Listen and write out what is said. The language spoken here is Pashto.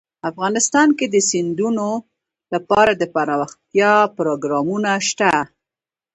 افغانستان کې د سیندونه لپاره دپرمختیا پروګرامونه شته.